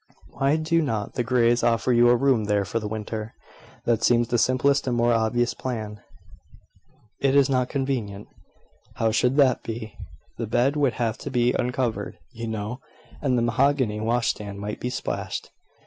"Why do not the Greys offer you a room there for the winter? That seems the simplest and most obvious plan." "It is not convenient." "How should that be?" "The bed would have to be uncovered, you know; and the mahogany wash stand might be splashed."